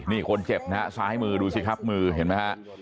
นี่คนเจ็บนะฮะซ้ายมือดูสิครับมือเห็นไหมฮะ